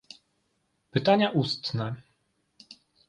Pytania ustne